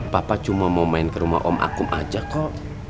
papa cuma mau main ke rumah om akum aja kok